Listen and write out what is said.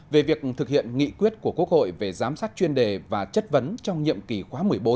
về việc thực hiện nghị quyết của quốc hội về giám sát chuyên đề và chất vấn trong nhiệm kỳ khóa một mươi bốn